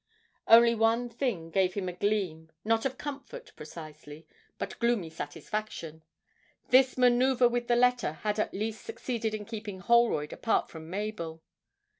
Only one thing gave him a gleam not of comfort, precisely, but gloomy satisfaction; his manoeuvre with the letter had at least succeeded in keeping Holroyd apart from Mabel.